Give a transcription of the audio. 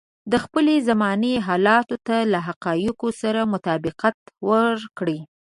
د خپلې زمانې حالاتو ته له حقايقو سره مطابقت ورکړي.